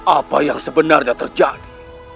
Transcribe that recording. apa yang sebenarnya terjadi